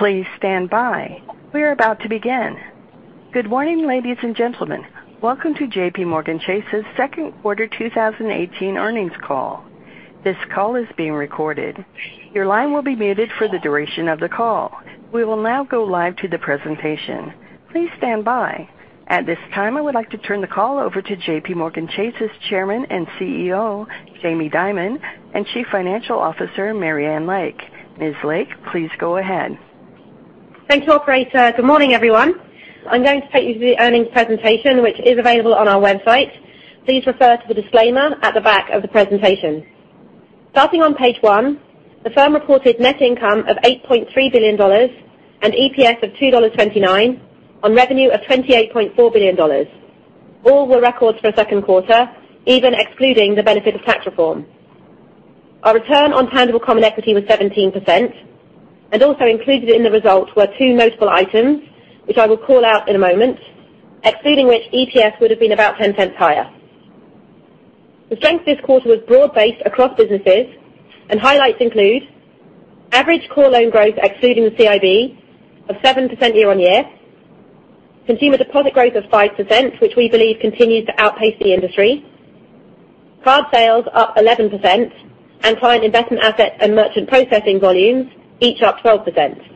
Please stand by. We're about to begin. Good morning, ladies and gentlemen. Welcome to JPMorgan Chase's second quarter 2018 earnings call. This call is being recorded. Your line will be muted for the duration of the call. We will now go live to the presentation. Please stand by. At this time, I would like to turn the call over to JPMorgan Chase's Chairman and CEO, Jamie Dimon, and Chief Financial Officer, Marianne Lake. Ms. Lake, please go ahead. Thank you, operator. Good morning, everyone. I'm going to take you through the earnings presentation, which is available on our website. Please refer to the disclaimer at the back of the presentation. Starting on page one, the firm reported net income of $8.3 billion and EPS of $2.29 on revenue of $28.4 billion. All were records for a second quarter, even excluding the benefit of tax reform. Our return on tangible common equity was 17%, and also included in the result were two notable items, which I will call out in a moment, excluding which EPS would have been about $0.10 higher. The strength this quarter was broad-based across businesses and highlights include average core loan growth, excluding the CIB, of 7% year-on-year, consumer deposit growth of 5%, which we believe continues to outpace the industry, card sales up 11%, and client investment assets and merchant processing volumes each up 12%.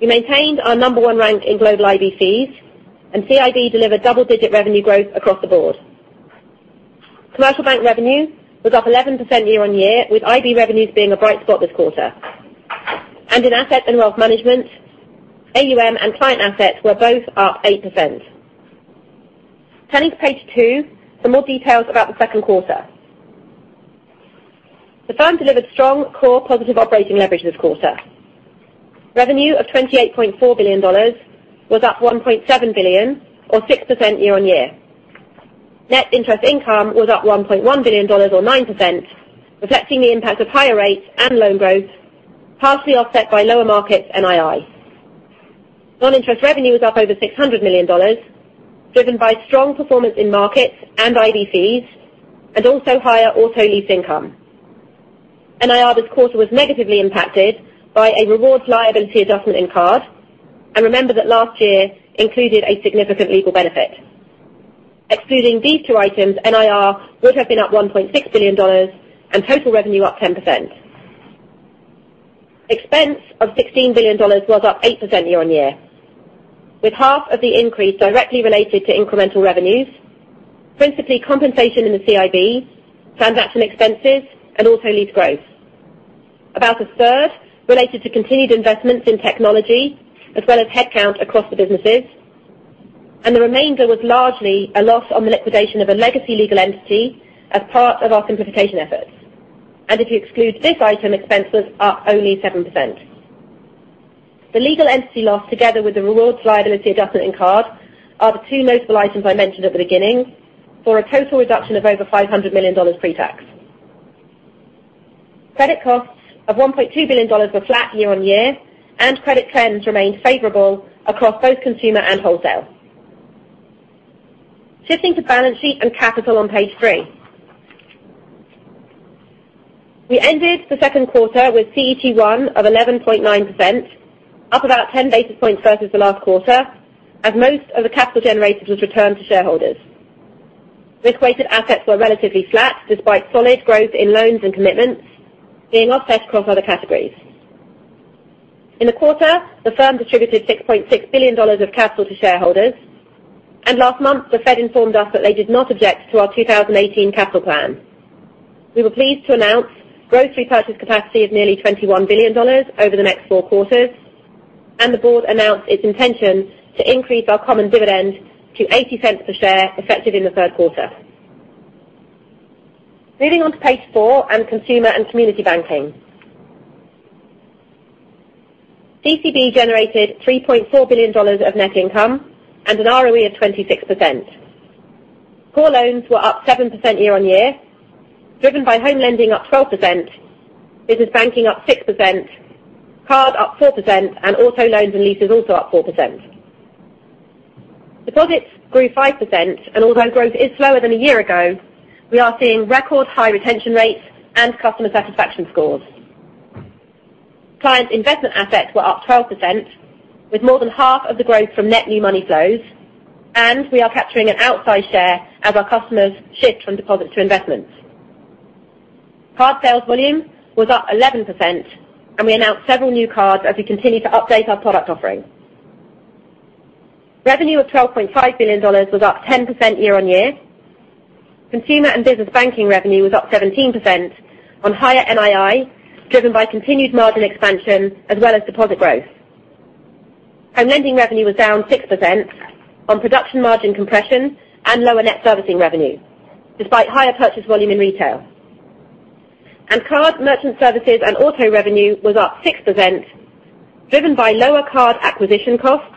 We maintained our number one rank in global IB fees, and CIB delivered double-digit revenue growth across the board. Commercial bank revenue was up 11% year-on-year, with IB revenues being a bright spot this quarter. In asset and wealth management, AUM and client assets were both up 8%. Turning to page two for more details about the second quarter. The firm delivered strong core positive operating leverage this quarter. Revenue of $28.4 billion was up $1.7 billion or 6% year-on-year. Net interest income was up $1.1 billion or 9%, reflecting the impact of higher rates and loan growth, partially offset by lower markets NII. Non-interest revenue was up over $600 million, driven by strong performance in markets and IB fees, and also higher auto lease income. NIR this quarter was negatively impacted by a rewards liability adjustment in card. Remember that last year included a significant legal benefit. Excluding these two items, NIR would have been up $1.6 billion and total revenue up 10%. Expense of $16 billion was up 8% year-on-year, with half of the increase directly related to incremental revenues, principally compensation in the CIB, transaction expenses, and auto lease growth. About a third related to continued investments in technology as well as headcount across the businesses. The remainder was largely a loss on the liquidation of a legacy legal entity as part of our simplification efforts. If you exclude this item, expense was up only 7%. The legal entity loss together with the rewards liability adjustment in card are the two notable items I mentioned at the beginning, for a total reduction of over $500 million pre-tax. Credit costs of $1.2 billion were flat year-on-year, and credit trends remained favorable across both consumer and wholesale. Shifting to balance sheet and capital on page three. We ended the second quarter with CET1 of 11.9%, up about 10 basis points versus the last quarter, as most of the capital generated was returned to shareholders. Risk-weighted assets were relatively flat, despite solid growth in loans and commitments being offset across other categories. In the quarter, the firm distributed $6.6 billion of capital to shareholders. Last month, the Fed informed us that they did not object to our 2018 capital plan. We were pleased to announce gross repurchase capacity of nearly $21 billion over the next four quarters, and the board announced its intention to increase our common dividend to $0.80 per share effective in the third quarter. Moving on to page four on consumer and community banking. CCB generated $3.4 billion of net income and an ROE of 26%. Core loans were up 7% year-on-year, driven by home lending up 12%, business banking up 6%, card up 4%, and auto loans and leases also up 4%. Deposits grew 5%, and although growth is slower than a year ago, we are seeing record high retention rates and customer satisfaction scores. Client investment assets were up 12%, with more than half of the growth from net new money flows. We are capturing an outsized share as our customers shift from deposits to investments. Card sales volume was up 11%, and we announced several new cards as we continue to update our product offering. Revenue of $12.5 billion was up 10% year-on-year. Consumer and business banking revenue was up 17% on higher NII, driven by continued margin expansion as well as deposit growth. Home lending revenue was down 6% on production margin compression and lower net servicing revenue, despite higher purchase volume in retail. Card merchant services and auto revenue was up 6%, driven by lower card acquisition costs,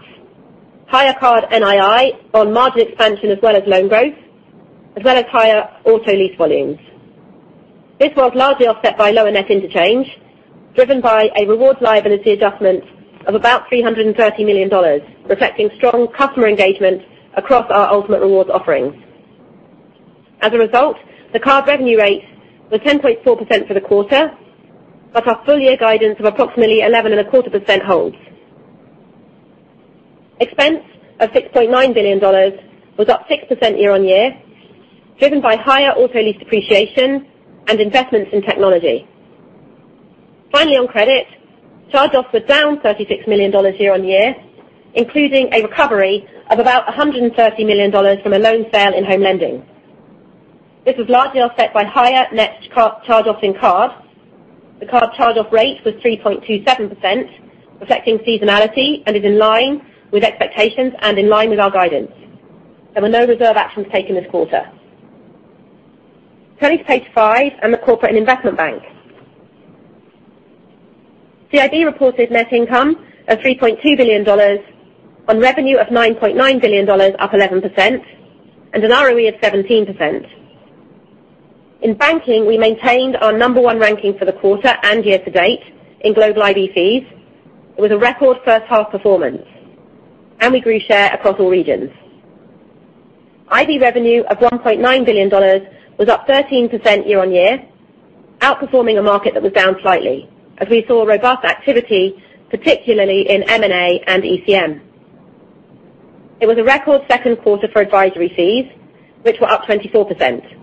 higher card NII on margin expansion as well as loan growth, as well as higher auto lease volumes. This was largely offset by lower net interchange. Driven by a rewards liability adjustment of about $330 million, reflecting strong customer engagement across our Ultimate Rewards offerings. As a result, the card revenue rates were 10.4% for the quarter. Our full year guidance of approximately 11.25% holds. Expense of $6.9 billion was up 6% year-on-year, driven by higher auto lease depreciation and investments in technology. Finally, on credit, charge-offs were down $36 million year-on-year, including a recovery of about $130 million from a loan sale in home lending. This was largely offset by higher net charge-offs in card. The card charge-off rate was 3.27%, reflecting seasonality, and is in line with expectations and in line with our guidance. There were no reserve actions taken this quarter. Turning to page five and the Corporate & Investment Bank. CIB reported net income of $3.2 billion on revenue of $9.9 billion, up 11%, and an ROE of 17%. In banking, we maintained our number 1 ranking for the quarter and year-to-date in global IB fees. It was a record first half performance. We grew share across all regions. IB revenue of $1.9 billion was up 13% year-on-year, outperforming a market that was down slightly, as we saw robust activity, particularly in M&A and ECM. It was a record second quarter for advisory fees, which were up 24%.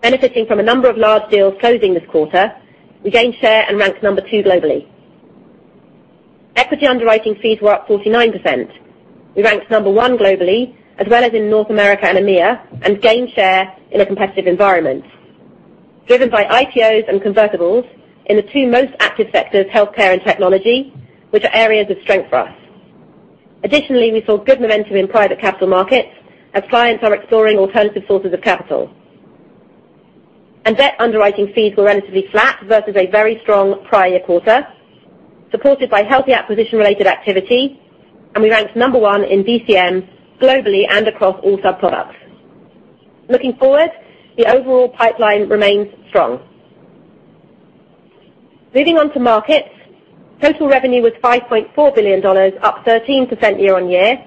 Benefiting from a number of large deals closing this quarter, we gained share and ranked number 2 globally. Equity underwriting fees were up 49%. We ranked number 1 globally, as well as in North America and EMEA. We gained share in a competitive environment. Driven by IPOs and convertibles in the two most active sectors, healthcare and technology, which are areas of strength for us. Additionally, we saw good momentum in private capital markets as clients are exploring alternative sources of capital. Debt underwriting fees were relatively flat versus a very strong prior year quarter, supported by healthy acquisition-related activity, and we ranked number 1 in DCM globally and across all subproducts. Looking forward, the overall pipeline remains strong. Moving on to markets. Total revenue was $5.4 billion, up 13% year-on-year,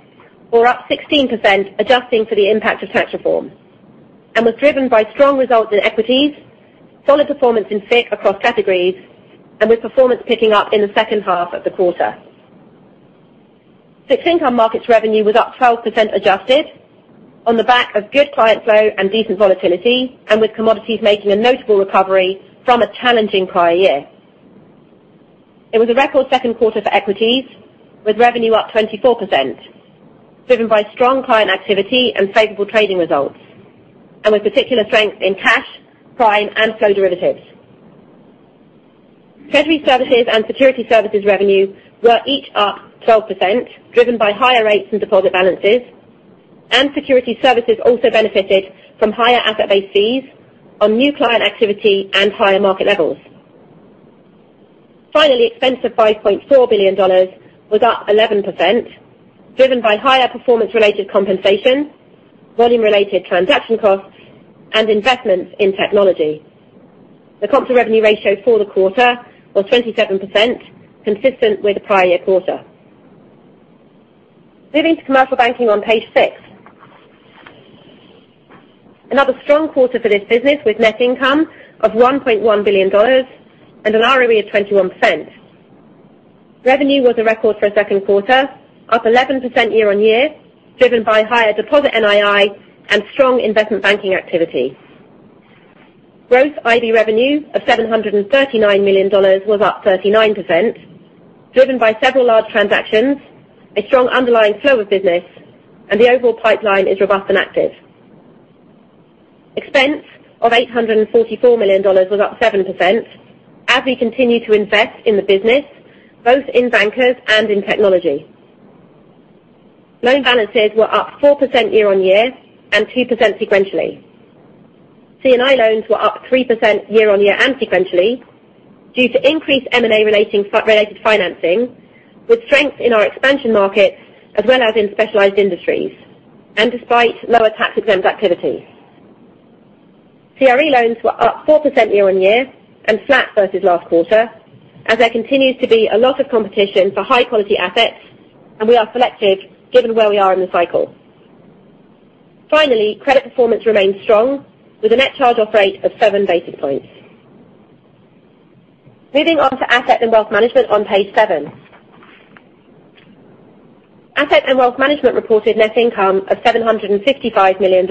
or up 16% adjusting for the impact of tax reform, and was driven by strong results in equities, solid performance in FICC across categories, and with performance picking up in the second half of the quarter. Fixed income markets revenue was up 12% adjusted on the back of good client flow and decent volatility, and with commodities making a notable recovery from a challenging prior year. It was a record second quarter for equities, with revenue up 24%, driven by strong client activity and favorable trading results, and with particular strength in cash, prime, and flow derivatives. Treasury Services and Securities Services revenue were each up 12%, driven by higher rates and deposit balances, and Security Services also benefited from higher asset-based fees on new client activity and higher market levels. Finally, expense of $5.4 billion was up 11%, driven by higher performance-related compensation, volume-related transaction costs, and investments in technology. The cost to revenue ratio for the quarter was 27%, consistent with the prior year quarter. Moving to commercial banking on page six. Another strong quarter for this business with net income of $1.1 billion and an ROE of 21%. Revenue was a record for a second quarter, up 11% year-on-year, driven by higher deposit NII and strong investment banking activity. Growth IB revenue of $739 million was up 39%, driven by several large transactions, a strong underlying flow of business, and the overall pipeline is robust and active. Expense of $844 million was up 7% as we continue to invest in the business, both in bankers and in technology. Loan balances were up 4% year-on-year and 2% sequentially. C&I loans were up 3% year-on-year and sequentially due to increased M&A-related financing, with strength in our expansion markets as well as in specialized industries, and despite lower tax-exempt activity. CRE loans were up 4% year-on-year and flat versus last quarter, as there continues to be a lot of competition for high-quality assets, and we are selective given where we are in the cycle. Finally, credit performance remains strong with a net charge-off rate of seven basis points. Moving on to asset and wealth management on page seven. Asset and wealth management reported net income of $755 million,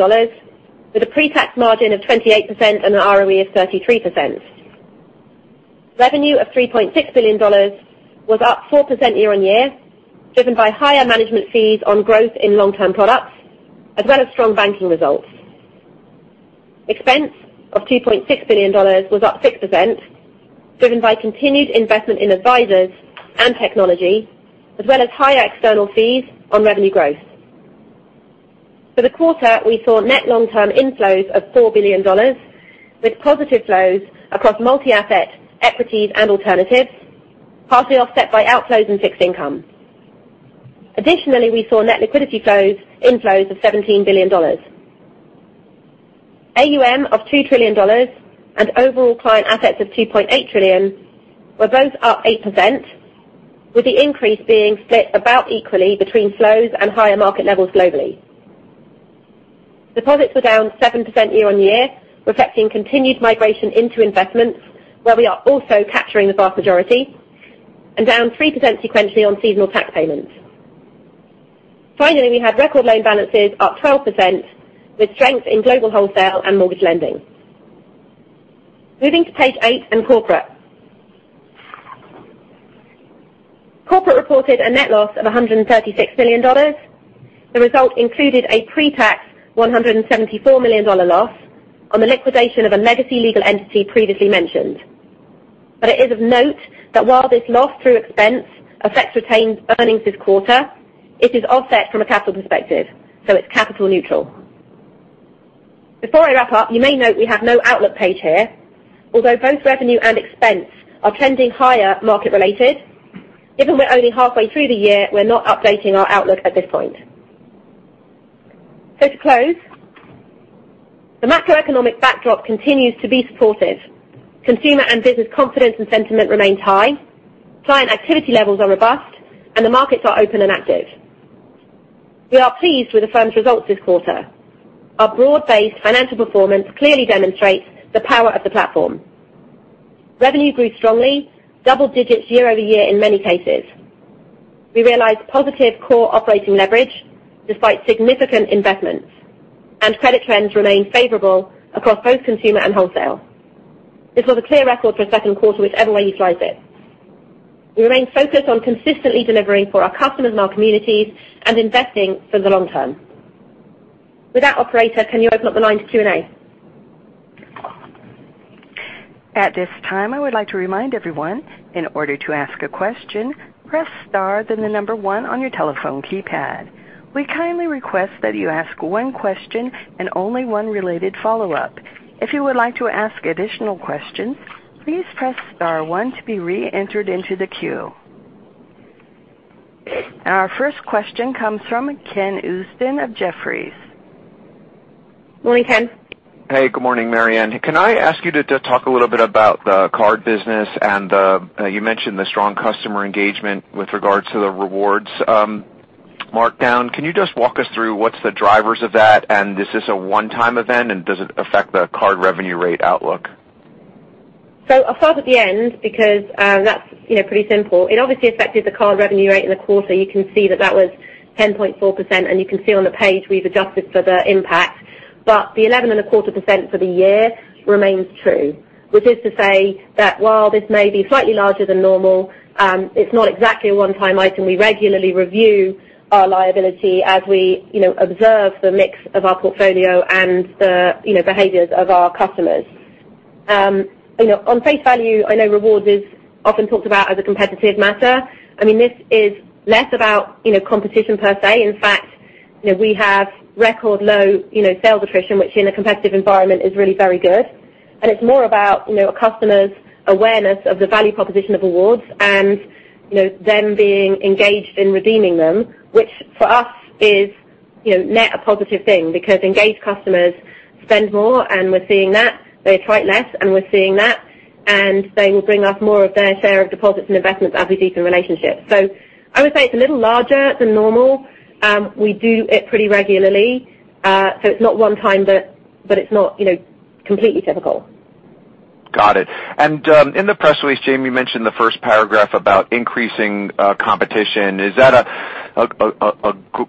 with a pre-tax margin of 28% and an ROE of 33%. Revenue of $3.6 billion was up 4% year-on-year, driven by higher management fees on growth in long-term products, as well as strong banking results. Expense of $2.6 billion was up 6%, driven by continued investment in advisors and technology, as well as higher external fees on revenue growth. For the quarter, we saw net long-term inflows of $4 billion, with positive flows across multi-asset equities and alternatives, partially offset by outflows in fixed income. Additionally, we saw net liquidity inflows of $17 billion. AUM of $2 trillion and overall client assets of $2.8 trillion were both up 8%, with the increase being split about equally between flows and higher market levels globally. Deposits were down 7% year-on-year, reflecting continued migration into investments, where we are also capturing the vast majority, and down 3% sequentially on seasonal tax payments. Finally, we had record loan balances up 12%, with strength in global wholesale and mortgage lending. Moving to page eight. Corporate reported a net loss of $136 million. The result included a pre-tax $174 million loss on the liquidation of a legacy legal entity previously mentioned. It is of note that while this loss through expense affects retained earnings this quarter, it is offset from a capital perspective, so it's capital neutral. Before I wrap up, you may note we have no outlook page here, although both revenue and expense are trending higher market related. Given we're only halfway through the year, we're not updating our outlook at this point. To close, the macroeconomic backdrop continues to be supportive. Consumer and business confidence and sentiment remains high. Client activity levels are robust, and the markets are open and active. We are pleased with the firm's results this quarter. Our broad-based financial performance clearly demonstrates the power of the platform. Revenue grew strongly, double digits year-over-year in many cases. We realized positive core operating leverage despite significant investments, and credit trends remain favorable across both consumer and wholesale. This was a clear record for a second quarter whichever way you slice it. We remain focused on consistently delivering for our customers and our communities and investing for the long term. With that, operator, can you open up the line to Q&A? At this time, I would like to remind everyone, in order to ask a question, press star, then the number 1 on your telephone keypad. We kindly request that you ask one question and only one related follow-up. If you would like to ask additional questions, please press star one to be re-entered into the queue. Our first question comes from Ken Usdin of Jefferies. Morning, Ken. Hey, good morning, Marianne. Can I ask you to talk a little bit about the card business and you mentioned the strong customer engagement with regards to the rewards markdown. Can you just walk us through what's the drivers of that? Is this a one-time event, and does it affect the card revenue rate outlook? I'll start at the end because that's pretty simple. It obviously affected the card revenue rate in the quarter. You can see that that was 10.4%, and you can see on the page we've adjusted for the impact. The 11.25% for the year remains true, which is to say that while this may be slightly larger than normal, it's not exactly a one-time item. We regularly review our liability as we observe the mix of our portfolio and the behaviors of our customers. On face value, I know rewards is often talked about as a competitive matter. This is less about competition per se. In fact, we have record low sales attrition, which in a competitive environment is really very good. It's more about a customer's awareness of the value proposition of awards and them being engaged in redeeming them, which for us is net a positive thing because engaged customers spend more, and we're seeing that. They fight less, and we're seeing that, and they will bring us more of their share of deposits and investments as we deepen relationships. I would say it's a little larger than normal. We do it pretty regularly, so it's not one time, but it's not completely typical. Got it. In the press release, Jamie mentioned the first paragraph about increasing competition. Is that a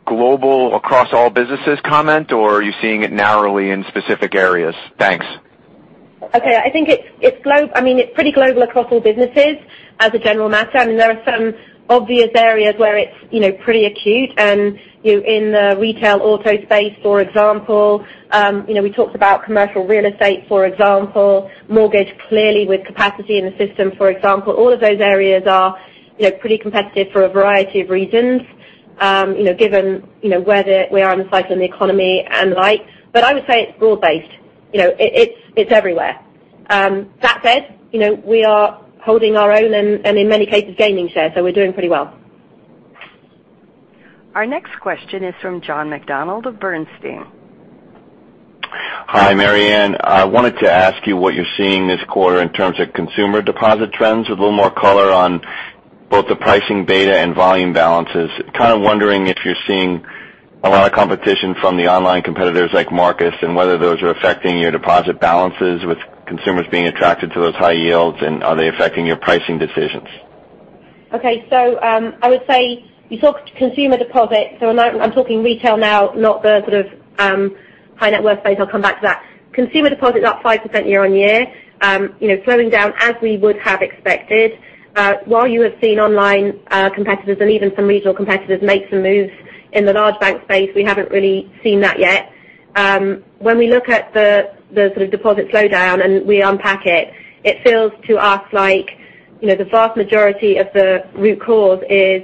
global across all businesses comment, or are you seeing it narrowly in specific areas? Thanks. Okay. I think it's pretty global across all businesses as a general matter. There are some obvious areas where it's pretty acute. In the retail auto space, for example, we talked about commercial real estate, for example, mortgage clearly with capacity in the system, for example. All of those areas are pretty competitive for a variety of reasons, given where we are in the cycle in the economy and like. I would say it's broad-based. It's everywhere. That said, we are holding our own and in many cases, gaining share. We're doing pretty well. Our next question is from John McDonald of Bernstein. Hi, Marianne. I wanted to ask you what you're seeing this quarter in terms of consumer deposit trends with a little more color on both the pricing beta and volume balances. Kind of wondering if you're seeing a lot of competition from the online competitors like Marcus, and whether those are affecting your deposit balances with consumers being attracted to those high yields, and are they affecting your pricing decisions? Okay. I would say you talked consumer deposits. I'm talking retail now, not the sort of high net worth base. I'll come back to that. Consumer deposits up 5% year-over-year. Slowing down as we would have expected. While you have seen online competitors and even some regional competitors make some moves in the large bank space, we haven't really seen that yet. When we look at the sort of deposit slowdown and we unpack it feels to us like the vast majority of the root cause is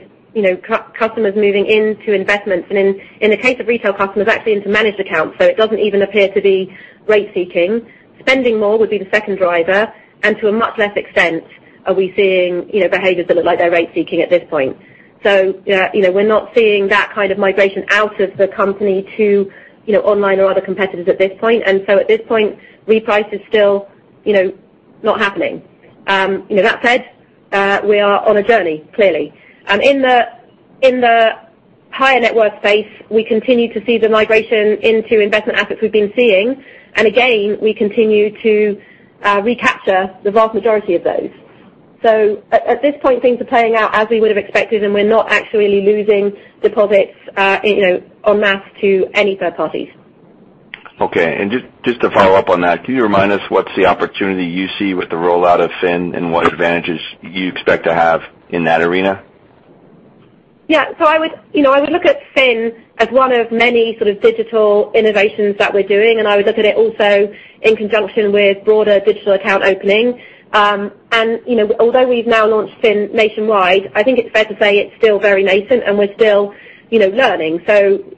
customers moving into investments, and in the case of retail customers, actually into managed accounts. It doesn't even appear to be rate seeking. Spending more would be the second driver, and to a much less extent are we seeing behaviors that look like they're rate seeking at this point. We're not seeing that kind of migration out of the company to online or other competitors at this point. At this point, reprice is still not happening. That said, we are on a journey, clearly. In the higher net worth space, we continue to see the migration into investment assets we've been seeing. Again, we continue to recapture the vast majority of those. At this point, things are playing out as we would have expected, and we're not actually losing deposits en masse to any third parties. Okay. Just to follow up on that, can you remind us what's the opportunity you see with the rollout of Finn, and what advantages you expect to have in that arena? Yeah. I would look at Finn as one of many digital innovations that we're doing, and I would look at it also in conjunction with broader digital account opening. Although we've now launched Finn nationwide, I think it's fair to say it's still very nascent and we're still learning.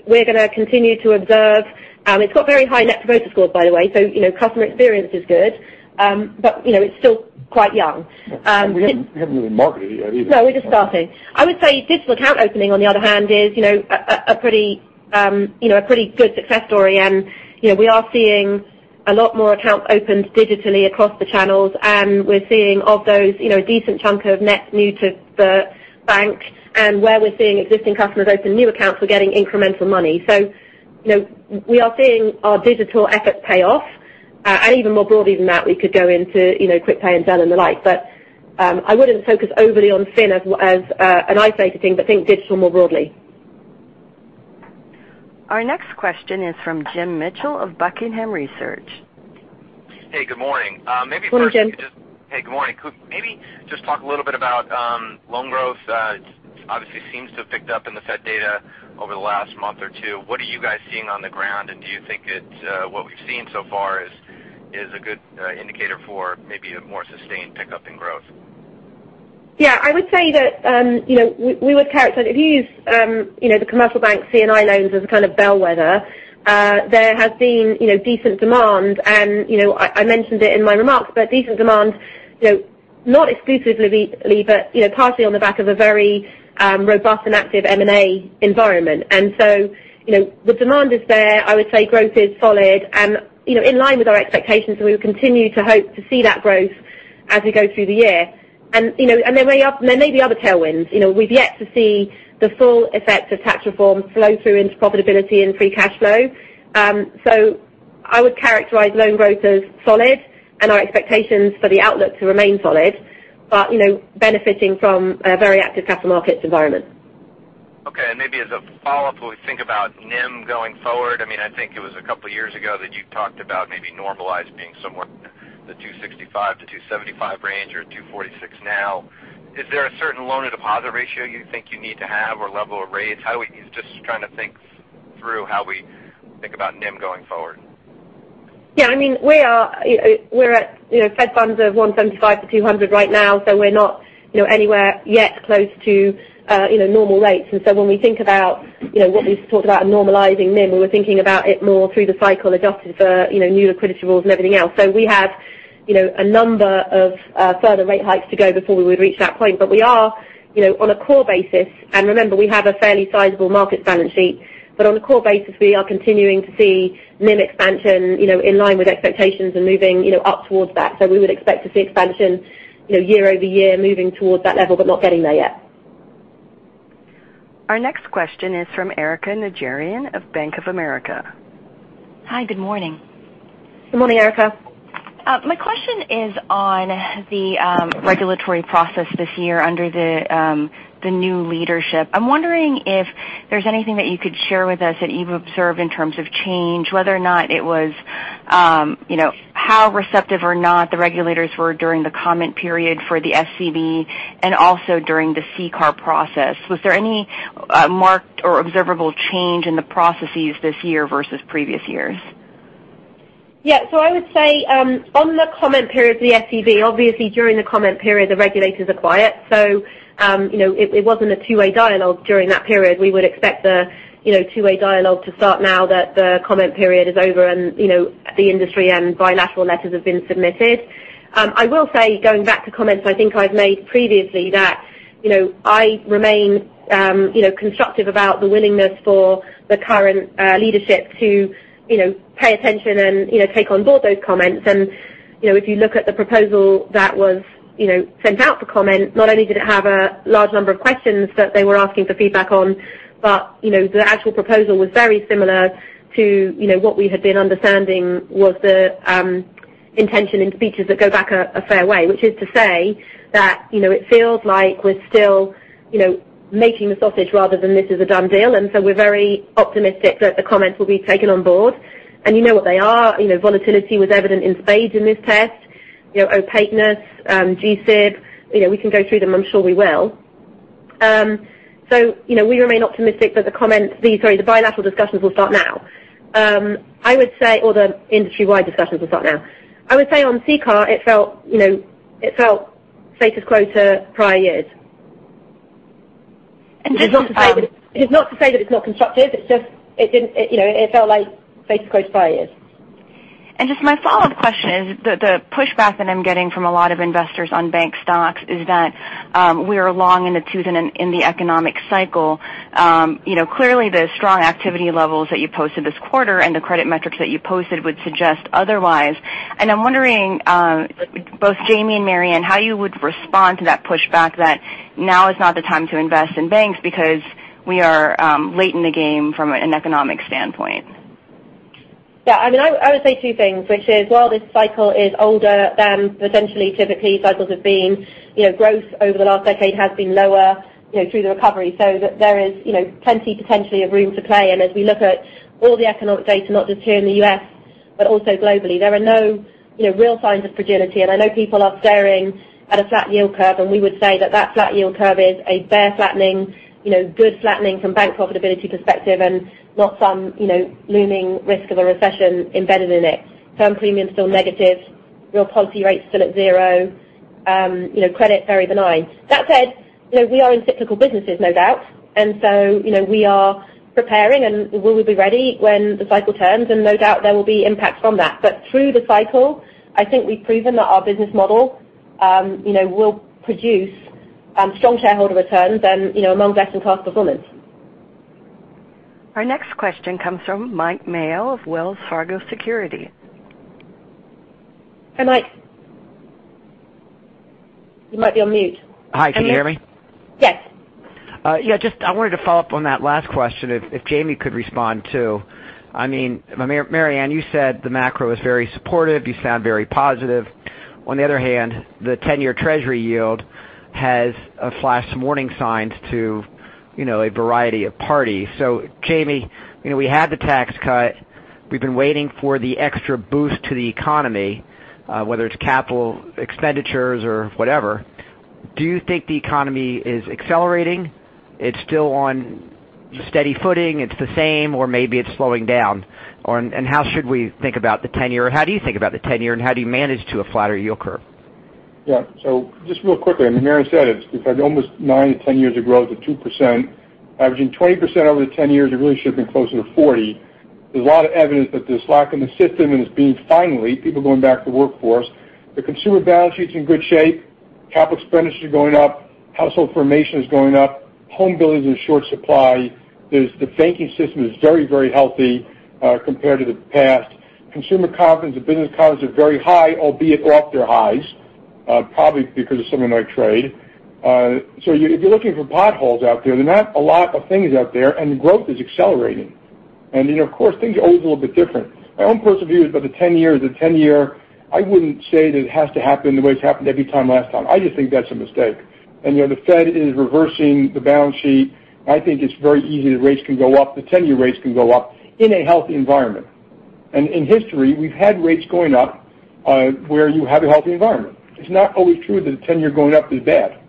We're going to continue to observe. It's got very high net promoter scores, by the way, so customer experience is good. It's still quite young. We haven't even marketed it either. No, we're just starting. I would say digital account opening, on the other hand, is a pretty good success story. We are seeing a lot more accounts opened digitally across the channels, and we're seeing, of those, a decent chunk are net new to the bank. Where we're seeing existing customers open new accounts, we're getting incremental money. We are seeing our digital efforts pay off. Even more broadly than that, we could go into QuickPay and Zelle and the like. I wouldn't focus overly on Finn as an isolated thing, but think digital more broadly. Our next question is from Jim Mitchell of Buckingham Research. Hey, good morning. Morning, Jim. Hey, good morning. Could maybe just talk a little bit about loan growth. Obviously seems to have picked up in the Fed data over the last month or two. What are you guys seeing on the ground? Do you think that what we've seen so far is a good indicator for maybe a more sustained pickup in growth? Yeah, I would say that we would characterize it. If you use the commercial bank C&I loans as a kind of bellwether, there has been decent demand. I mentioned it in my remarks, but decent demand, not exclusively but partially on the back of a very robust and active M&A environment. The demand is there. I would say growth is solid and in line with our expectations. We will continue to hope to see that growth as we go through the year. There may be other tailwinds. We've yet to see the full effect of tax reform flow through into profitability and free cash flow. I would characterize loan growth as solid and our expectations for the outlook to remain solid, but benefiting from a very active capital markets environment. Maybe as a follow-up, when we think about NIM going forward, I think it was a couple of years ago that you talked about maybe normalized being somewhere in the 265-275 range. You're at 246 now. Is there a certain loan-to-deposit ratio you think you need to have or level of rates? Just trying to think through how we think about NIM going forward. Yeah, we're at Fed funds of 175-200 right now, so we're not anywhere yet close to normal rates. When we think about what we've talked about normalizing NIM, when we're thinking about it more through the cycle, adjusted for new liquidity rules and everything else. We have a number of further rate hikes to go before we would reach that point. We are on a core basis. Remember, we have a fairly sizable market balance sheet. On a core basis, we are continuing to see NIM expansion in line with expectations and moving up towards that. We would expect to see expansion year-over-year moving towards that level, but not getting there yet. Our next question is from Erika Najarian of Bank of America. Hi, good morning. Good morning, Erika. My question is on the regulatory process this year under the new leadership. I'm wondering if there's anything that you could share with us that you've observed in terms of change, whether or not it was how receptive or not the regulators were during the comment period for the SCB and also during the CCAR process. Was there any marked or observable change in the processes this year versus previous years? Yeah. I would say on the comment period for the SCB, obviously during the comment period, the regulators are quiet. It wasn't a two-way dialogue during that period. We would expect the two-way dialogue to start now that the comment period is over and the industry and bilateral letters have been submitted. I will say, going back to comments I think I've made previously, that I remain constructive about the willingness for the current leadership to pay attention and take on board those comments. If you look at the proposal that was sent out for comment, not only did it have a large number of questions that they were asking for feedback on, but the actual proposal was very similar to what we had been understanding was the intention in speeches that go back a fair way. Which is to say that it feels like we're still making the sausage rather than this is a done deal, we're very optimistic that the comments will be taken on board. You know what they are. Volatility was evident in spades in this test. Opaqueness, GSIB. We can go through them. I'm sure we will. We remain optimistic that the comments, the bilateral discussions will start now. Or the industry-wide discussions will start now. I would say on CCAR, it felt status quo to prior years. It is not to say that it's not constructive, it felt like status quo to prior years. My follow-up question is the pushback that I'm getting from a lot of investors on bank stocks is that we are long in the tooth in the economic cycle. Clearly, the strong activity levels that you posted this quarter and the credit metrics that you posted would suggest otherwise. I'm wondering, both Jamie and Marianne, how you would respond to that pushback that now is not the time to invest in banks because we are late in the game from an economic standpoint. I would say two things, which is, while this cycle is older than potentially typically cycles have been, growth over the last decade has been lower through the recovery. There is plenty potentially of room to play. As we look at all the economic data, not just here in the U.S., but also globally, there are no real signs of fragility. I know people are staring at a flat yield curve, and we would say that that flat yield curve is a bear flattening, good flattening from bank profitability perspective and not some looming risk of a recession embedded in it. Term premium is still negative. Real policy rates still at zero. Credit, very benign. That said, we are in cyclical businesses, no doubt. We are preparing, and we will be ready when the cycle turns, and no doubt there will be impacts from that. Through the cycle, I think we've proven that our business model will produce strong shareholder returns and among best-in-class performance. Our next question comes from Mike Mayo of Wells Fargo Securities. Hi, Mike. You might be on mute. Hi. Can you hear me? Yes. Just I wanted to follow up on that last question, if Jamie could respond too. Marianne, you said the macro is very supportive. You sound very positive. On the other hand, the 10-year Treasury yield has flashed some warning signs to a variety of parties. Jamie, we had the tax cut. We've been waiting for the extra boost to the economy, whether it's capital expenditures or whatever. Do you think the economy is accelerating? It's still on steady footing? It's the same? Or maybe it's slowing down? How should we think about the 10-year? How do you think about the 10-year, and how do you manage to a flatter yield curve? Just real quickly, Marianne said it. We've had almost nine to 10 years of growth of 2%, averaging 20% over the 10 years. It really should have been closer to 40. There's a lot of evidence that there's slack in the system, people going back to the workforce. The consumer balance sheet's in good shape. Capital expenditures are going up. Household formation is going up. Home builders are in short supply. The banking system is very healthy compared to the past. Consumer confidence and business confidence are very high, albeit off their highs, probably because of some of our trade. If you're looking for potholes out there are not a lot of things out there, growth is accelerating. Of course, things are always a little bit different. My own personal view is that the 10-year, I wouldn't say that it has to happen the way it's happened every time last time. I just think that's a mistake. The Fed is reversing the balance sheet. I think it's very easy that rates can go up, the 10-year rates can go up in a healthy environment. In history, we've had rates going up where you have a healthy environment. It's not always true that the 10-year going up is bad.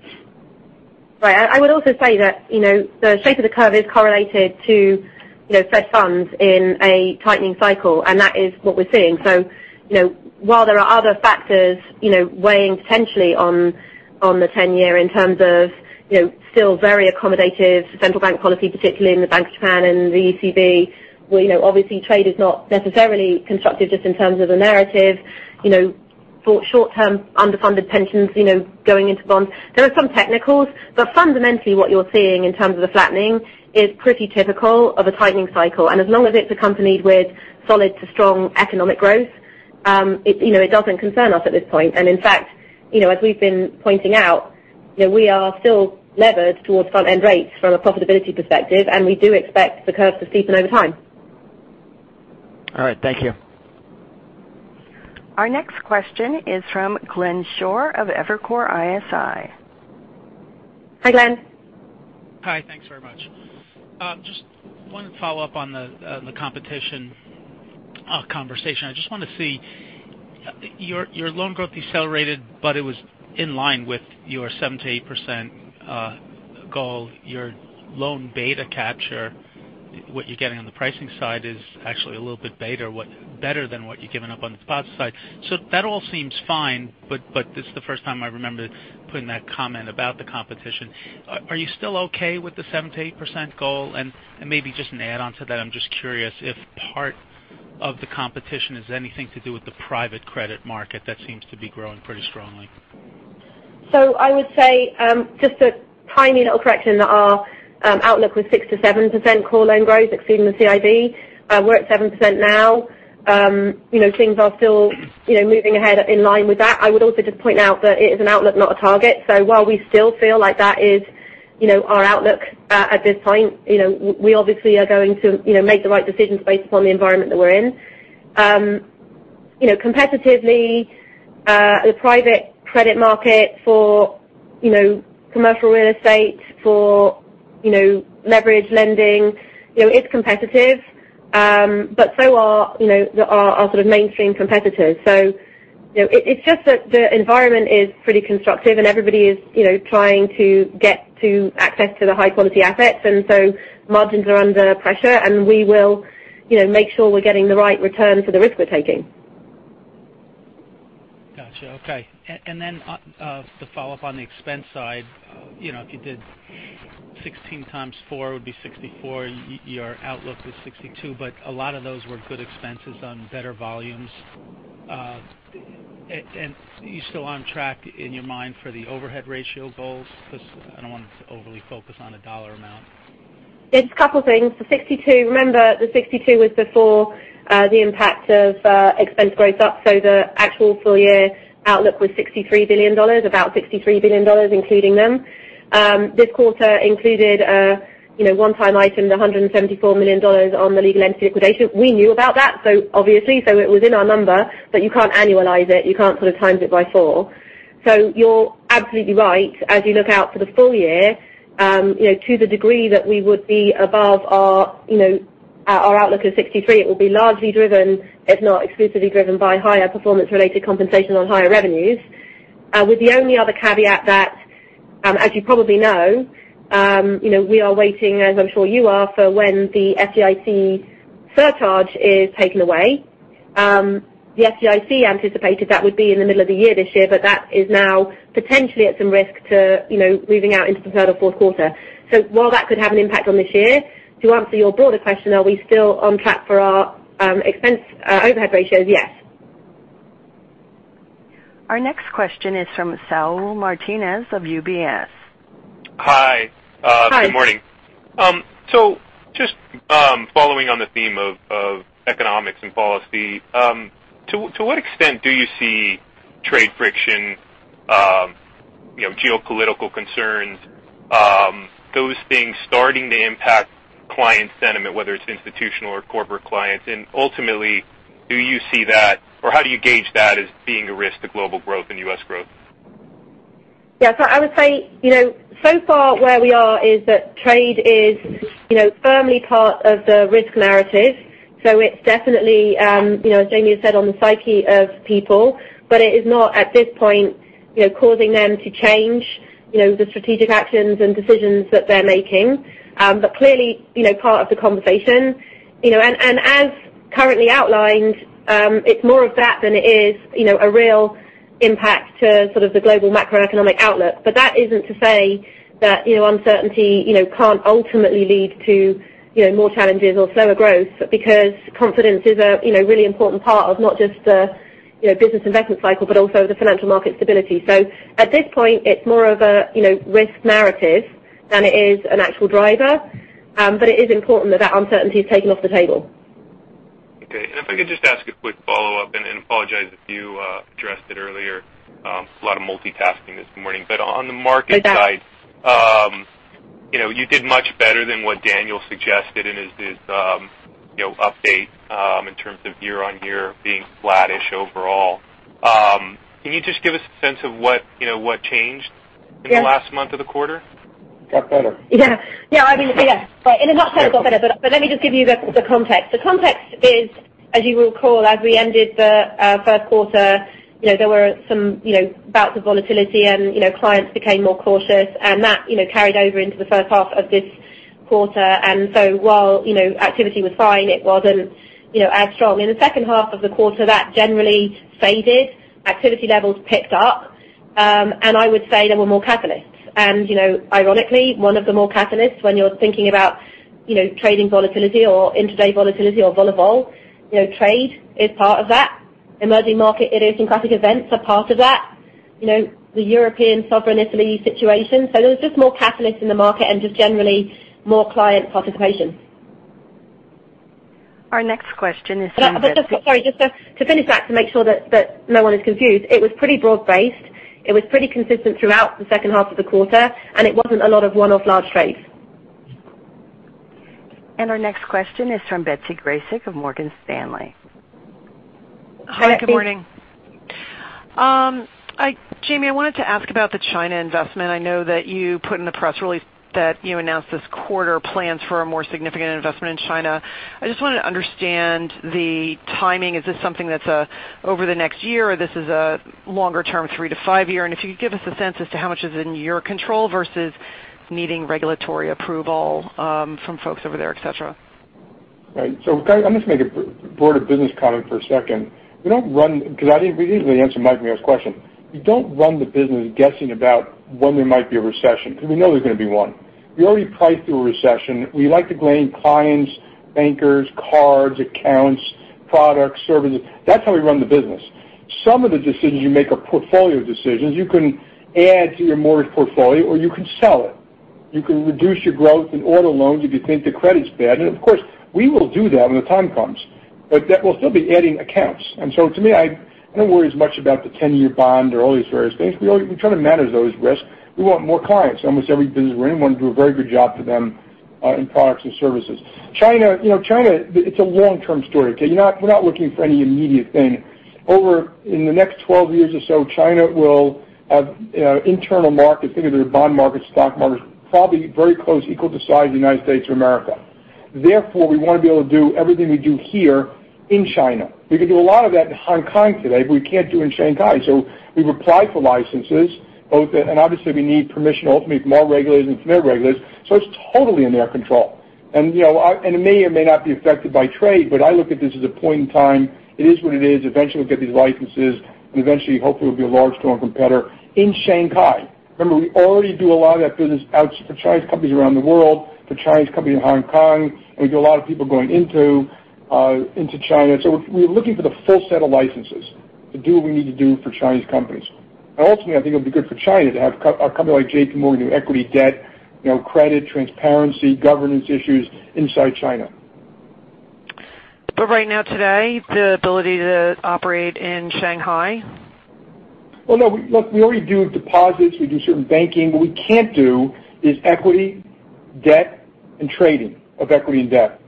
Right. I would also say that the shape of the curve is correlated to Fed funds in a tightening cycle, and that is what we're seeing. While there are other factors weighing potentially on the 10-year in terms of still very accommodative central bank policy, particularly in the Bank of Japan and the ECB, where obviously trade is not necessarily constructive just in terms of the narrative. For short-term underfunded pensions going into bonds, there are some technicals. Fundamentally, what you're seeing in terms of the flattening is pretty typical of a tightening cycle. As long as it's accompanied with solid to strong economic growth, it doesn't concern us at this point. In fact, as we've been pointing out, we are still levered towards front-end rates from a profitability perspective, and we do expect the curve to steepen over time. All right. Thank you. Our next question is from Glenn Schorr of Evercore ISI. Hi, Glenn. Thanks very much. Just wanted to follow up on the competition conversation. I just want to see, your loan growth decelerated, but it was in line with your 7%-8% goal. Your loan beta capture, what you're getting on the pricing side is actually a little bit better than what you're giving up on the spreads side. That all seems fine, but this is the first time I remember putting that comment about the competition. Are you still okay with the 7%-8% goal? Maybe just an add-on to that, I'm just curious if part of the competition has anything to do with the private credit market that seems to be growing pretty strongly. I would say just a tiny little correction that our outlook was 6%-7% core loan growth, excluding the CIB. We're at 7% now. Things are still moving ahead in line with that. I would also just point out that it is an outlook, not a target. While we still feel like that is our outlook at this point, we obviously are going to make the right decisions based upon the environment that we're in. Competitively, the private credit market for commercial real estate, for leverage lending, it's competitive. So are our sort of mainstream competitors. It's just that the environment is pretty constructive, and everybody is trying to get to access to the high-quality assets. Margins are under pressure, and we will make sure we're getting the right return for the risk we're taking. Got you. Okay. To follow up on the expense side, if you did 16 times four, it would be 64. Your outlook was 62, but a lot of those were good expenses on better volumes. Are you still on track in your mind for the overhead ratio goals? Because I don't want to overly focus on the dollar amount. It's a couple things. Remember, the 62 was before the impact of expense gross up, so the actual full-year outlook was $63 billion, about $63 billion, including them. This quarter included a one-time item of $174 million on the legal entity liquidation. We knew about that, obviously, so it was in our number, but you can't annualize it. You can't sort of times it by four. You're absolutely right. As you look out for the full year, to the degree that we would be above our outlook of 63, it will be largely driven, if not exclusively driven, by higher performance-related compensation on higher revenues. With the only other caveat that, as you probably know, we are waiting, as I'm sure you are, for when the FDIC surcharge is taken away. The FDIC anticipated that would be in the middle of the year this year, but that is now potentially at some risk to moving out into the third or fourth quarter. While that could have an impact on this year, to answer your broader question, are we still on track for our expense overhead ratios? Yes. Our next question is from Saul Martinez of UBS. Hi. Hi. Good morning. Just following on the theme of economics and policy, to what extent do you see trade friction, geopolitical concerns, those things starting to impact client sentiment, whether it's institutional or corporate clients? Ultimately, do you see that, or how do you gauge that as being a risk to global growth and U.S. growth? Yeah. I would say, so far where we are is that trade is firmly part of the risk narrative. It's definitely, as Jamie has said, on the psyche of people, but it is not at this point causing them to change the strategic actions and decisions that they're making. Clearly, part of the conversation. As currently outlined, it's more of that than it is a real impact to sort of the global macroeconomic outlook. That isn't to say that uncertainty can't ultimately lead to more challenges or slower growth because confidence is a really important part of not just the business investment cycle, but also the financial market stability. At this point, it's more of a risk narrative than it is an actual driver. It is important that that uncertainty is taken off the table. Okay. If I could just ask a quick follow-up, and apologize if you addressed it earlier. A lot of multitasking this morning. On the market side- My bad You did much better than what Daniel suggested in his update in terms of year-on-year being flattish overall. Can you just give us a sense of what changed in the last month of the quarter? Got better. Yeah. In a nutshell, it got better. Let me just give you the context. The context is, as you will recall, as we ended the first quarter, there were some bouts of volatility, clients became more cautious. That carried over into the first half of this quarter. While activity was fine, it wasn't as strong. In the second half of the quarter, that generally faded. Activity levels picked up. I would say there were more catalysts. Ironically, one of the more catalysts when you're thinking about trading volatility or intraday volatility or vol of vol, trade is part of that. Emerging market idiosyncratic events are part of that. The European sovereign Italy situation. There was just more catalysts in the market and just generally more client participation. Our next question is from- Just, sorry, just to finish that to make sure that no one is confused, it was pretty broad-based. It was pretty consistent throughout the second half of the quarter, it wasn't a lot of one-off large trades. Our next question is from Betsy Graseck of Morgan Stanley. Hi, Betsy. Hi, good morning. Jamie, I wanted to ask about the China investment. I know that you put in the press release that you announced this quarter plans for a more significant investment in China. I just wanted to understand the timing. Is this something that's over the next year, or this is a longer-term three to five-year? If you could give us a sense as to how much is in your control versus needing regulatory approval from folks over there, et cetera. Right. I'm going to make a board of business comment for a second. Because I didn't really answer Mike and Mia's question. We don't run the business guessing about when there might be a recession because we know there's going to be one. We already priced through a recession. We like to gain clients, bankers, cards, accounts, products, services. That's how we run the business. Some of the decisions you make are portfolio decisions. You can add to your mortgage portfolio, or you can sell it. You can reduce your growth in auto loans if you think the credit's bad. Of course, we will do that when the time comes. But we'll still be adding accounts. To me, I don't worry as much about the 10-year bond or all these various things. We try to manage those risks. We want more clients. Almost every business we're in want to do a very good job to them in products and services. China, it's a long-term story, okay? We're not looking for any immediate thing. In the next 12 years or so, China will have internal markets, think of their bond markets, stock markets, probably very close equal to size of the United States of America. We want to be able to do everything we do here in China. We can do a lot of that in Hong Kong today, we can't do it in Shanghai. We've applied for licenses, obviously, we need permission ultimately from our regulators and from their regulators. It's totally in their control. It may or may not be affected by trade, I look at this as a point in time. It is what it is. Eventually, we'll get these licenses, eventually, hopefully, we'll be a large, strong competitor in Shanghai. Remember, we already do a lot of that business out for Chinese companies around the world, for Chinese companies in Hong Kong, we do a lot of people going into China. We're looking for the full set of licenses to do what we need to do for Chinese companies. Ultimately, I think it'll be good for China to have a company like JPMorgan do equity, debt, credit, transparency, governance issues inside China. Right now, today, the ability to operate in Shanghai? Well, no. Look, we already do deposits. We do certain banking. What we can't do is equity, debt, and trading of equity and debt.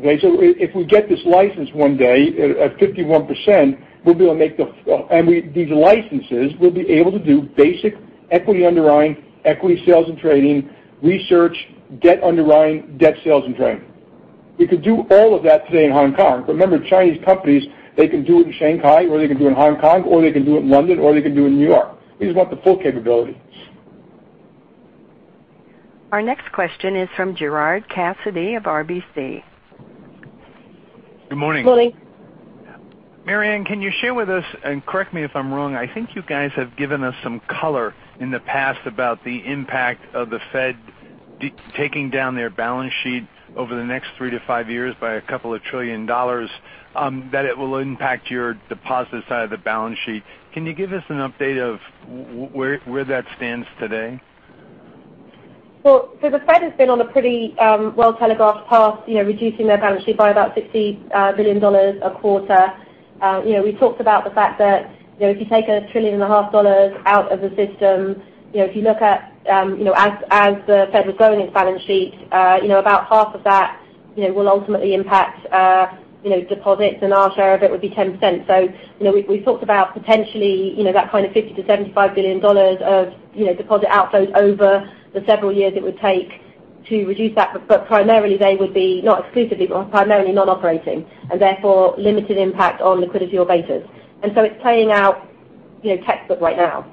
Okay? If we get this license one day at 51%, with these licenses, we'll be able to do basic equity underwriting, equity sales and trading, research, debt underwriting, debt, sales, and trading. We could do all of that today in Hong Kong. Remember, Chinese companies, they can do it in Shanghai, or they can do it in Hong Kong, or they can do it in London, or they can do it in New York. We just want the full capabilities. Our next question is from Gerard Cassidy of RBC. Good morning. Good morning. Marianne, can you share with us, and correct me if I'm wrong, I think you guys have given us some color in the past about the impact of the Fed taking down their balance sheet over the next three to five years by a couple of trillion dollars, that it will impact your deposit side of the balance sheet. Can you give us an update of where that stands today? The Fed has been on a pretty well-telegraphed path reducing their balance sheet by about $60 billion a quarter. We talked about the fact that if you take a trillion and a half dollars out of the system, if you look at as the Fed was growing its balance sheet, about half of that will ultimately impact deposits, and our share of it would be 10%. We talked about potentially that kind of $50 billion-$75 billion of deposit outflows over the several years it would take to reduce that. Primarily they would be, not exclusively, but primarily non-operating, and therefore limited impact on liquidity or betas. It's playing out textbook right now.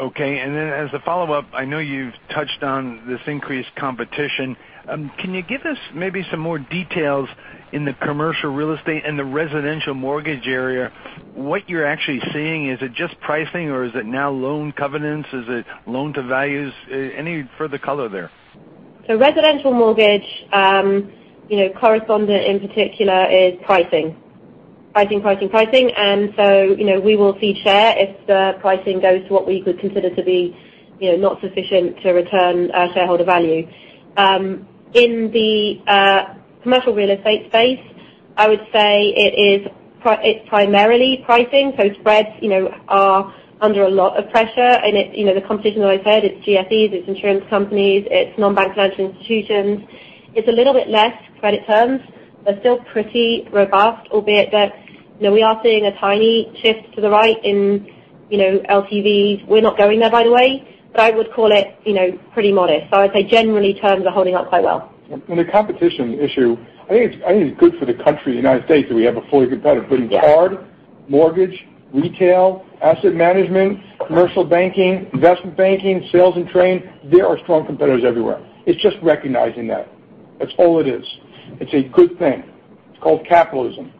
As a follow-up, I know you've touched on this increased competition. Can you give us maybe some more details in the commercial real estate and the residential mortgage area, what you're actually seeing? Is it just pricing or is it now loan covenants? Is it loan to values? Any further color there? Residential mortgage, correspondent in particular, is pricing. Pricing, pricing. We will see share if the pricing goes to what we could consider to be not sufficient to return shareholder value. In the commercial real estate space, I would say it's primarily pricing. Spreads are under a lot of pressure, and the competition that I said, it's GSEs, it's insurance companies, it's non-bank financial institutions. It's a little bit less credit terms, but still pretty robust, albeit that we are seeing a tiny shift to the right in LTVs. We're not going there by the way, but I would call it pretty modest. I would say generally terms are holding up quite well. On the competition issue, I think it's good for the country, the U.S., that we have a fully good competitor. Yes mortgage, retail, asset management, commercial banking, investment banking, sales and trade, there are strong competitors everywhere. It's just recognizing that. That's all it is. It's a good thing. It's called capitalism.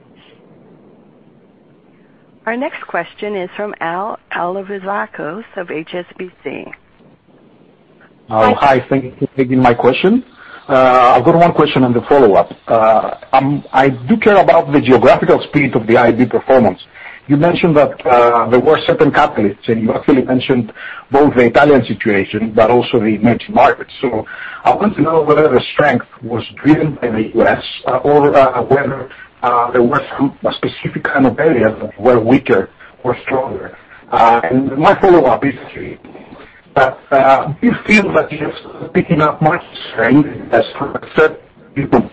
Our next question is from Alevizos Alevizakos of HSBC. Hi. Thank you for taking my question. I've got one question and a follow-up. I do care about the geographical split of the IB performance. You mentioned that there were certain catalysts, and you actually mentioned both the Italian situation, but also the emerging markets. I want to know whether the strength was driven by the U.S. or whether there were some specific kind of areas that were weaker or stronger. My follow-up is three. Do you feel that you're picking up much strength as from a certain people?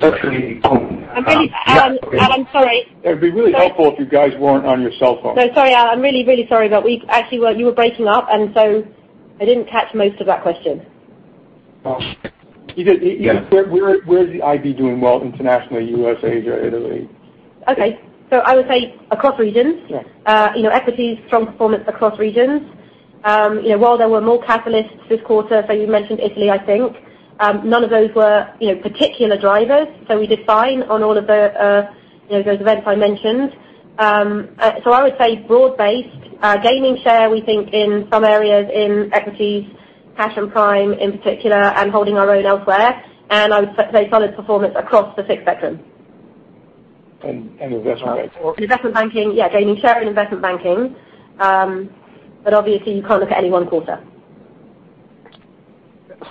Especially home. I'm sorry. It'd be really helpful if you guys weren't on your cell phone. No, sorry, Al. I'm really sorry. Actually you were breaking up. I didn't catch most of that question. Well, where is the IB doing well internationally, U.S., Asia, Italy? Okay. I would say across regions. Yes. Equities, strong performance across regions. While there were more catalysts this quarter, so you mentioned Italy I think, none of those were particular drivers. We did fine on all of those events I mentioned. I would say broad-based. Gaining share, we think, in some areas in equities, cash and prime in particular, and holding our own elsewhere. I would say solid performance across the six sectors. Investment banking? Investment banking. Gaining share in investment banking. Obviously you can't look at any one quarter.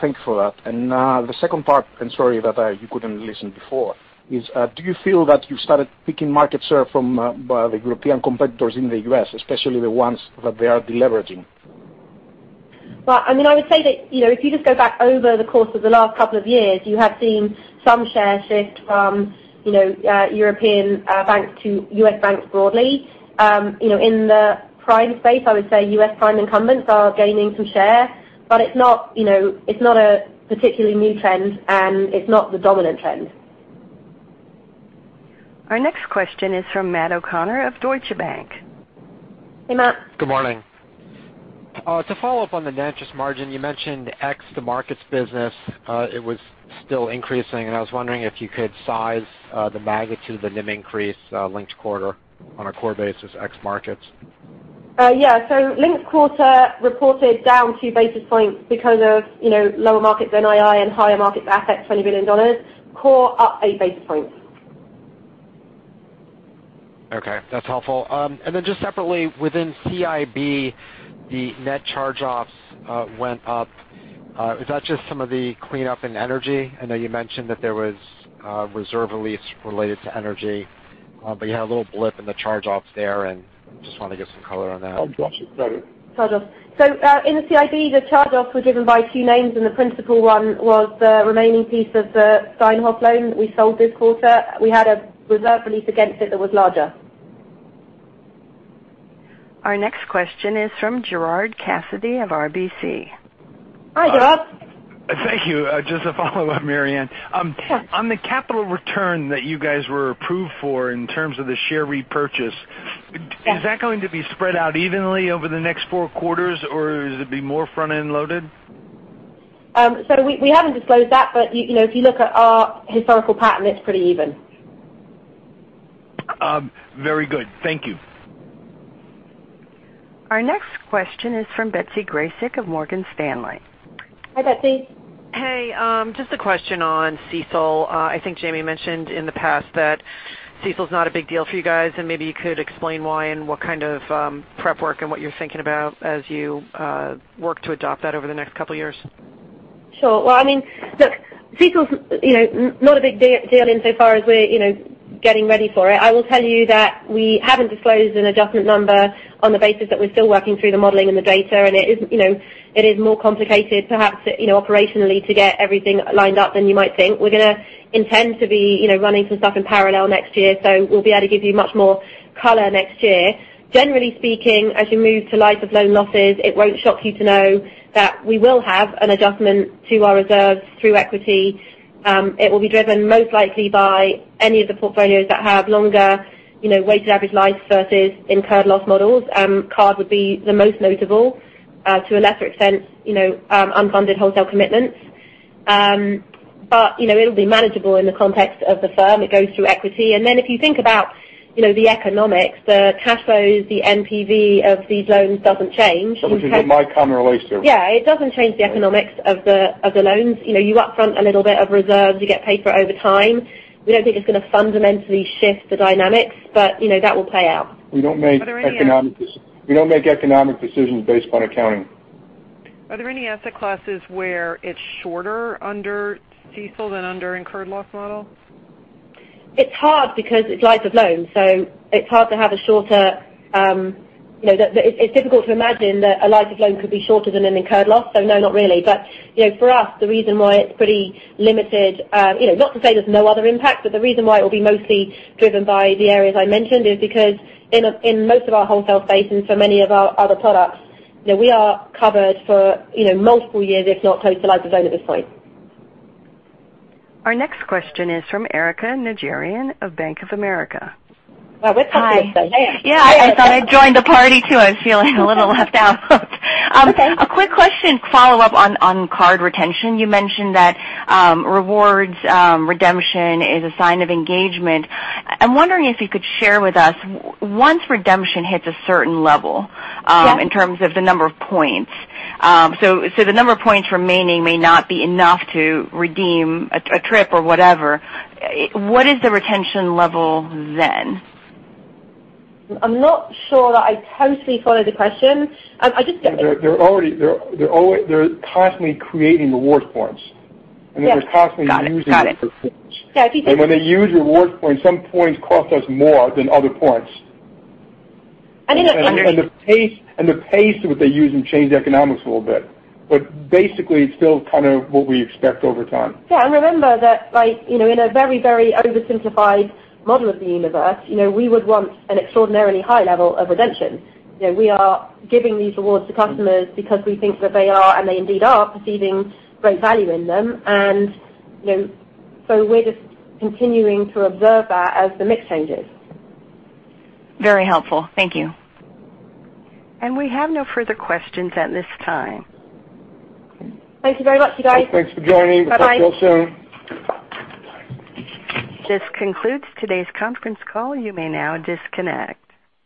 Thanks for that. The second part, and sorry that you couldn't listen before, is do you feel that you started picking market share from the European competitors in the U.S., especially the ones that they are de-leveraging? Well, I would say that if you just go back over the course of the last couple of years, you have seen some share shift from European banks to U.S. banks broadly. In the prime space, I would say U.S. prime incumbents are gaining some share. It's not a particularly new trend, and it's not the dominant trend. Our next question is from Matt O'Connor of Deutsche Bank. Hey, Matt. Good morning. To follow up on the net interest margin, you mentioned ex the markets business, it was still increasing. I was wondering if you could size the magnitude of the NIM increase linked quarter on a core basis ex markets. Yeah. Linked quarter reported down two basis points because of lower markets NII and higher markets assets, $20 billion. Core up eight basis points. Okay, that's helpful. Just separately, within CIB, the net charge-offs went up. Is that just some of the cleanup in energy? I know you mentioned that there was reserve release related to energy, but you had a little blip in the charge-offs there, and just want to get some color on that. Charge-offs is better. Charge-offs. In the CIB, the charge-offs were driven by two names, and the principal one was the remaining piece of the Steinhoff loan that we sold this quarter. We had a reserve release against it that was larger. Our next question is from Gerard Cassidy of RBC. Hi, Gerard. Thank you. Just a follow-up, Marianne. Sure. On the capital return that you guys were approved for in terms of the share repurchase- Yeah is that going to be spread out evenly over the next four quarters, or is it going to be more front-end loaded? We haven't disclosed that, but if you look at our historical pattern, it's pretty even. Very good. Thank you. Our next question is from Betsy Graseck of Morgan Stanley. Hi, Betsy. Hey. Just a question on CECL. I think Jamie mentioned in the past that CECL is not a big deal for you guys. Maybe you could explain why and what kind of prep work and what you're thinking about as you work to adopt that over the next couple of years. Sure. Well, look, CECL's not a big deal insofar as we're getting ready for it. I will tell you that we haven't disclosed an adjustment number on the basis that we're still working through the modeling and the data. It is more complicated perhaps, operationally, to get everything lined up than you might think. We're going to intend to be running some stuff in parallel next year. We'll be able to give you much more color next year. Generally speaking, as you move to life of loan losses, it won't shock you to know that we will have an adjustment to our reserves through equity. It will be driven most likely by any of the portfolios that have longer weighted average life versus incurred loss models. Card would be the most notable. To a lesser extent, unfunded wholesale commitments. It'll be manageable in the context of the firm. It goes through equity. If you think about the economics, the cash flows, the NPV of these loans doesn't change. Which is it might come related to. Yeah, it doesn't change the economics of the loans. You upfront a little bit of reserves, you get paid for it over time. We don't think it's going to fundamentally shift the dynamics, but that will play out. We don't make economic decisions based on accounting. Are there any asset classes where it's shorter under CECL than under incurred loss model? It's hard because it's life of loans, it's difficult to imagine that a life of loan could be shorter than an incurred loss. No, not really. For us, the reason why it's pretty limited, not to say there's no other impact, but the reason why it will be mostly driven by the areas I mentioned is because in most of our wholesale space and for many of our other products, we are covered for multiple years, if not total life of loan at this point. Our next question is from Erika Najarian of Bank of America. Well, we're top tier, so hiya. Yeah, I thought I'd joined the party, too. I was feeling a little left out. Okay. A quick question, follow-up on card retention. You mentioned that rewards redemption is a sign of engagement. I'm wondering if you could share with us, once redemption hits a certain level. Yeah in terms of the number of points. The number of points remaining may not be enough to redeem a trip or whatever. What is the retention level then? I'm not sure that I totally follow the question. I just don't think. They're constantly creating rewards points. Yeah. They're constantly using the rewards points. Got it. Yeah, if you think- When they use rewards points, some points cost us more than other points. In a- The pace of what they use and change the economics a little bit. Basically, it's still kind of what we expect over time. Yeah, and remember that in a very oversimplified model of the universe, we would want an extraordinarily high level of redemption. We are giving these rewards to customers because we think that they are, and they indeed are, perceiving great value in them. So we're just continuing to observe that as the mix changes. Very helpful. Thank you. We have no further questions at this time. Thank you very much, you guys. Thanks for joining. Bye-bye. We'll talk real soon. This concludes today's conference call. You may now disconnect.